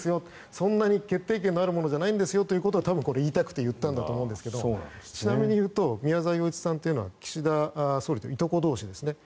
そんなに決定権のあるものじゃないんですよと多分言いたくて言ったんだと思いますがちなみに言いますと宮沢洋一さんは岸田総理といとこ同士ですね。